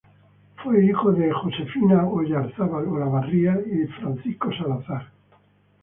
Fue hijo de Francisco Salazar y Josefina Oyarzábal Olavarría.